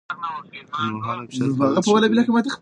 لنډمهاله فشار فعالیت ښه کوي.